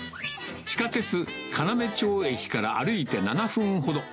地下鉄要町駅から歩いて７分ほど。